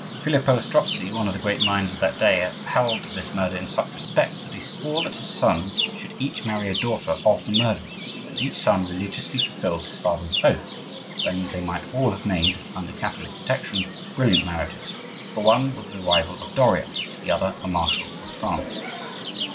Filippo Strozzi, one of the great minds of that day, held this murder in such respect that he swore that his sons should each marry a daughter of the murderer; and each son religiously fulfilled his father's oath when they might all have made, under Catherine's protection, brilliant marriages; for one was the rival of Doria, the other a marshal of France.